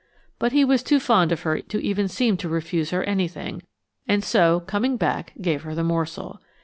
But he was too fond of her to even seem to refuse her anything, and so, coming back, gave her the morsel.